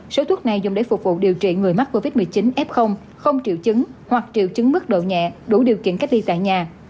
số thuốc này dùng để phục vụ điều trị người mắc covid một mươi chín f không triệu chứng hoặc triệu chứng mức độ nhẹ đủ điều kiện cách ly tại nhà